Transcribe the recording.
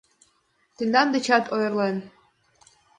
Тендан дечат ойырлен.